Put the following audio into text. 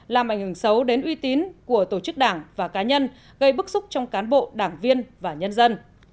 làm ảnh hưởng xấu đến uy tín của tổ chức đảng và cá nhân gây bức xúc trong cán bộ đảng viên và nhân dân